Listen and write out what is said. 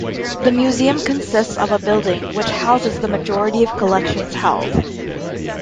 The museum consists of a building which houses the majority of collections held.